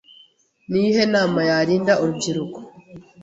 Ni iyihe nama yarinda urubyiruko